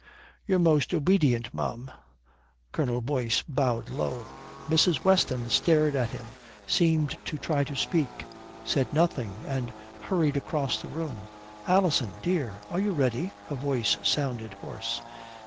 "Your most obedient, ma'am." Colonel Boyce bowed low. Mrs. Weston stared at him, seemed to try to speak, said nothing, and hurried across the room. "Alison, dear, are you ready?" her voice sounded hoarse.